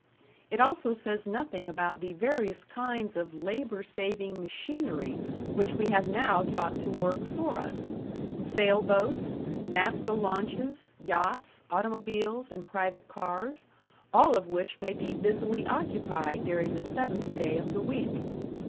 It also says nothing about the various kinds of labor saving machinery which we have now taught to work for us sail boats, naptha launches, yachts, automobiles, and private cars all of which may be busily occupied during the seventh day of the week.